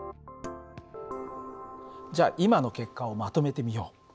じゃあ今の結果をまとめてみよう。